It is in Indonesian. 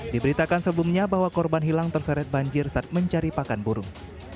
diberitakan sebelumnya bahwa korban hilang terseret banjir saat mencari pakan burung